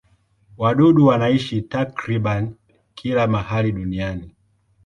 Wadudu wanaishi takriban kila mahali duniani.